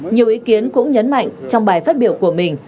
nhiều ý kiến cũng nhấn mạnh trong bài phát biểu của mình